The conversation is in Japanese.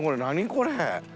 これ。